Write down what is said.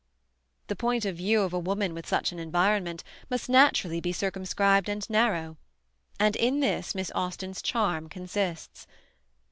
The point of view of a woman with such an environment must naturally be circumscribed and narrow; and in this Miss Austen's charm consists.